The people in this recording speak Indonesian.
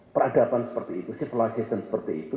peradaban seperti itu sirkulasi seperti itu